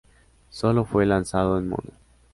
Sólo fue lanzado en mono.